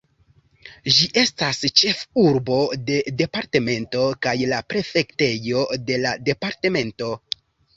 Ĝi estas ĉefurbo de departemento kaj la prefektejo de la departemento.